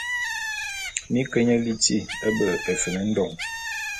Mi ke nye liti be Efen-Ndon.